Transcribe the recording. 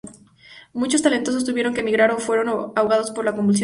Muchos talentos tuvieron que emigrar o fueron ahogados por la convulsión interna.